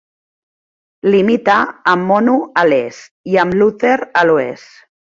Limita amb Mono a l'est i amb Luther a l'oest.